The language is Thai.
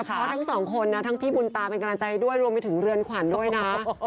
เพราะทั้งสองคนนะทั้งพี่บุญตาเป็นกำลังใจด้วยรวมไปถึงเรือนขวัญด้วยนะ